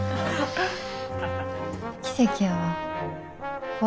奇跡やわ。